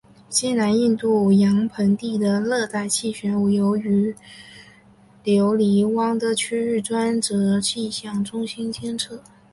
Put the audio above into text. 西南印度洋盆地的热带气旋由位于留尼汪的区域专责气象中心监测。